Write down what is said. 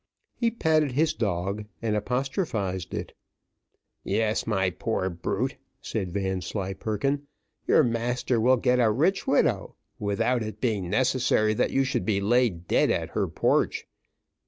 He patted his dog, and apostrophised it. "Yes, my poor brute," said Vanslyperken, "your master will get a rich widow, without it being necessary that you should be laid dead at her porch.